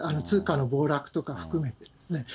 通貨の暴落とか含めてですね。